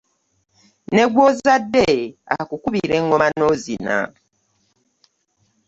Ne gw'ozadde akukubira eŋŋoma n'ozina .